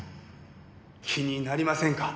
気になりませんか？